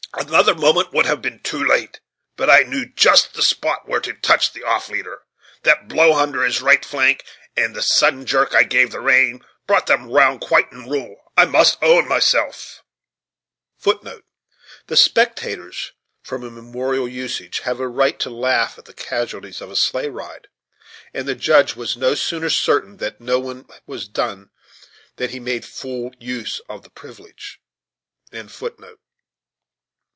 Another moment would have been too late; but I knew just the spot where to touch the off leader; that blow under his right flank, and the sudden jerk I gave the rein, brought them round quite in rule, I must own myself." The spectators, from immemorial usage, have a right to laugh at the casualties of a sleigh ride; and the Judge was no sooner certain that no one was done than he made full use of the privilege.